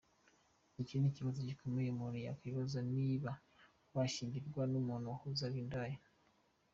Iki ni ikibazo gikomeye umuntu yakwibaza niba washyingirwa n’umuntu wahoze ari indaya.